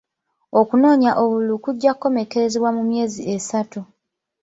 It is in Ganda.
Okunoonya obululu kujja kukomekkerezebwa mu myezi esatu.